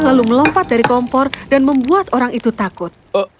lalu melompat dari kompor dan membuat orang itu takut